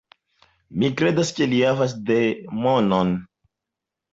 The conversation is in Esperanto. Mi kredas ke li havas demonon.